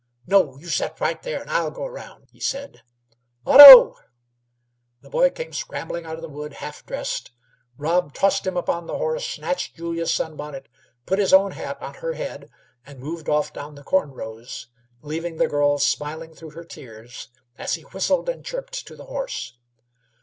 "No; you set right there, and I'll go round," he said. "Otto!" The boy came scrambling out of the wood, half dressed. Rob tossed him upon the horse, snatched Julia's sun bonnet, put his own hat on her head, and moved off down the corn rows, leaving the girl smiling through her tears as he whistled and chirped to the horse.